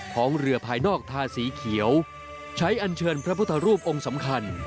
ของเรือภายนอกทาสีเขียวใช้อันเชิญพระพุทธรูปองค์สำคัญ